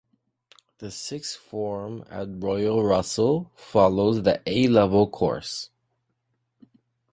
The sixth form at Royal Russell follows the A level Course.